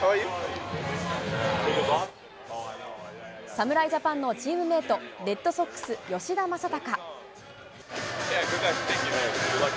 侍ジャパンのチームメート、レッドソックス、吉田正尚。